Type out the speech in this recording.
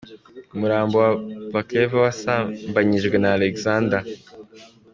Umurambo wa Aplekaeva wasambanyijwe na Alexander.